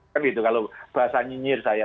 kan gitu kalau bahasa nyinyir saya